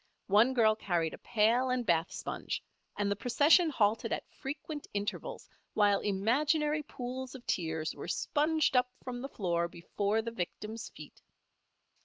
One girl carried a pail and bath sponge, and the procession halted at frequent intervals while imaginary pools of tears were sponged up from the floor before the victim's feet.